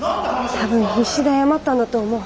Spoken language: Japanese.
多分必死で謝ったんだと思う。